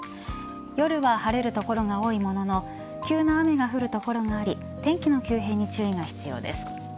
夜は晴れる所が多いものの急な雨が降る所があり天気の急変に注意が必要です。